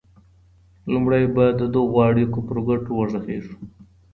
لومړی به د دغو اړيکو پر ګټو وږغيږو.